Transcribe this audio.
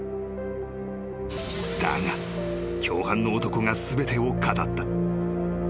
［だが共犯の男が全てを語った］